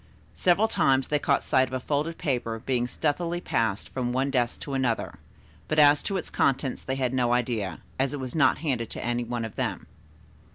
Several times they caught sight of a folded paper being stealthily passed from one desk to another, but as to its contents they had no idea, as it was not handed to any one of them.